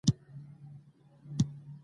دوه